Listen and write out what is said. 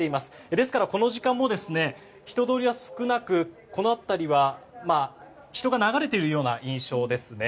ですからこの時間も人通りは少なくこの辺りは人が流れているような印象ですね。